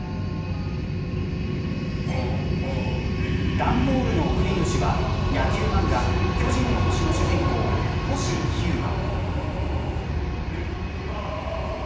段ボールの送り主は野球漫画、巨人の星の主人公星飛雄馬。